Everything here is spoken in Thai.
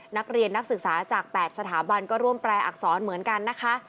นักศึกษาจาก๘สถาบันก็ร่วมแปลอักษรเหมือนกันนะคะ